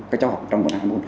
các trang học trong một hai môn